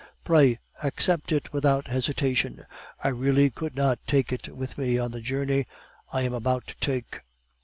Pray accept it without hesitation; I really could not take it with me on the journey I am about to make.